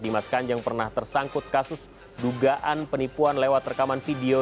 dimas kanjeng pernah tersangkut kasus dugaan penipuan lewat rekaman video